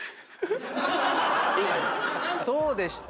どうでした？